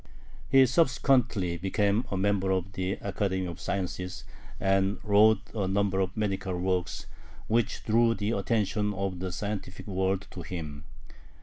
He subsequently became a member of the Academy of Sciences, and wrote a number of medical works, which drew the attention of the scientific world to him.